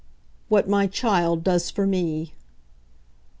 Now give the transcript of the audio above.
"What my child does for me